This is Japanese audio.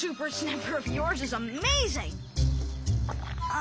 あ。